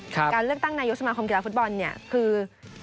การเลือกตั้งนายกสมาคมกีฬาฟุตบอลเนี่ยคือ